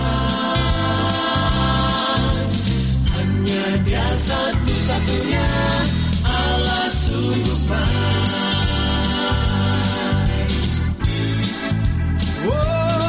hanya dia satu satunya allah sungguh baik